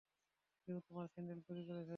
কেউ তোমার স্যান্ডেল চুরি করেছে।